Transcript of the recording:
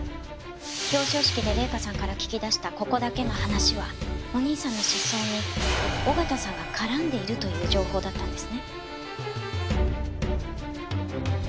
表彰式で礼香さんから聞き出した「ここだけの話」はお兄さんの失踪に小形さんが絡んでいるという情報だったんですね。